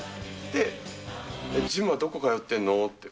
で、ジムはどこ通ってんの？って。